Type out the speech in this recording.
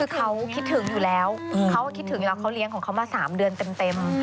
คือเขาคิดถึงอยู่แล้วเขาคิดถึงแล้วเขาเลี้ยงของเขามา๓เดือนเต็ม